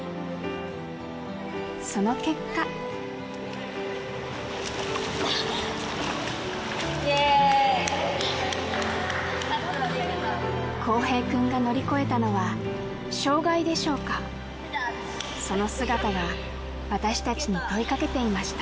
その結果イエイ滉平君が乗り越えたのは障害でしょうかその姿が私たちに問いかけていました